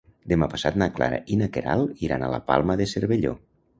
Demà passat na Clara i na Queralt iran a la Palma de Cervelló.